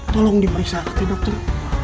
tolong diperiksa dokter